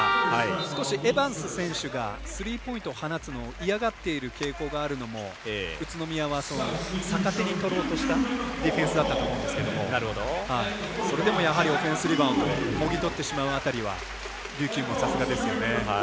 少しエバンス選手がスリーポイントを放つのを嫌がっている傾向があるのも宇都宮は逆手に取ろうとしたディフェンスだったと思うんですけれどもそれでもやはりオフェンスリバウンドもぎ取ってしまう辺りは琉球もさすがですよね。